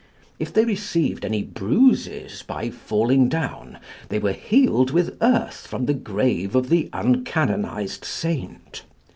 If they received any bruises by falling down they were healed with earth from the grave of the uncanonised saint.